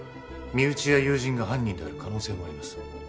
身内や友人が犯人である可能性もあります